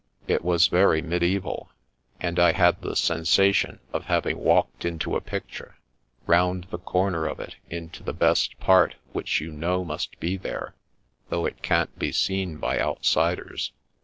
It was very mediaeval, and I had the sensation of hav ing walked into a picture — round the corner of it, into the best part which you know must be there, though it can't be seen by outsiders.